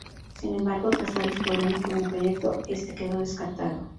Sin embargo, tras varios problemas con el proyecto este quedó descartado.